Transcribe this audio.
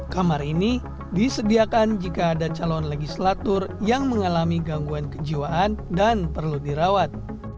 kamar ini disediakan jika ada calon legislator yang mengalami gangguan kejiwaan dan perlu dirawat